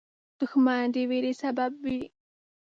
دښمن د ویرې سبب وي